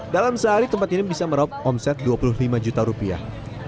dalam sehari tempat ini bisa meraup omset dua puluh lima juta rupiah